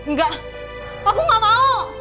nggak aku nggak mau